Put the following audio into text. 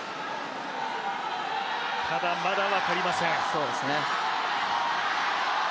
ただ、まだ分かりません。